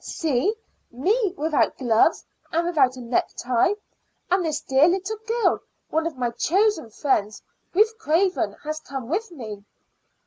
See me without gloves and without a necktie. And this dear little girl, one of my chosen friends, Ruth Craven, has come with me."